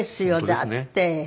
だって。